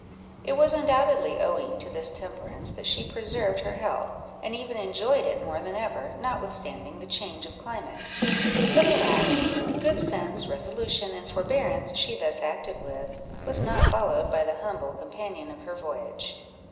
It was undoubtedly owing to this temperance that she preserved her health, and even enjoyed it more than ever, notwithstanding the change of climate; but, alas! the good sense, resolution, and forbearance she thus acted with, was not followed by the humble companion of her voyage.